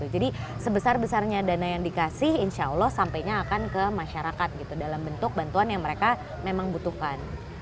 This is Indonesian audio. jadi sebesar besarnya dana yang dikasih insya allah sampainya akan ke masyarakat dalam bentuk bantuan yang mereka memang butuhkan